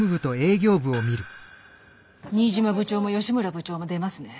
新島部長も吉村部長も出ますね。